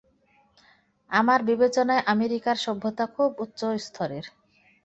আমার বিবেচনায় আমেরিকার সভ্যতা খুব উচ্চ স্তরের।